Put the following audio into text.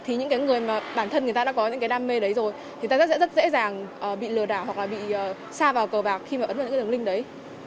thì những cái người mà bản thân người ta đã có những cái đam mê đấy rồi thì ta rất dễ dàng bị lừa đảo hoặc là bị xa vào cờ bạc khi mà ấn tượng những cái đường link đấy